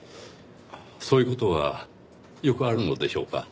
そういう事はよくあるのでしょうか？